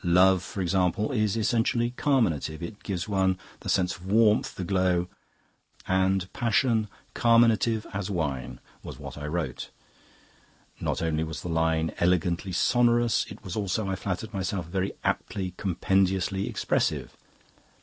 Love, for example, is essentially carminative. It gives one the sense of warmth, the glow. 'And passion carminative as wine...' was what I wrote. Not only was the line elegantly sonorous; it was also, I flattered myself, very aptly compendiously expressive.